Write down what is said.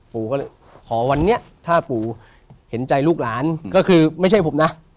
ปู่ก็เลยขอวันนี้ถ้าปู่เห็นใจลูกหลานก็คือไม่ใช่ผมนะ